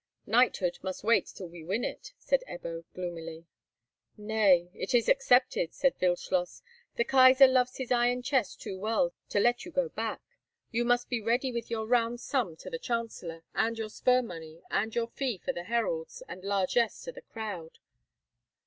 Knighthood must wait till we win it," said Ebbo, gloomily. "Nay, it is accepted," said Wildschloss. "The Kaisar loves his iron chest too well to let you go back. You must be ready with your round sum to the chancellor, and your spur money and your fee to the heralds, and largess to the crowd."